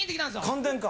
感電か？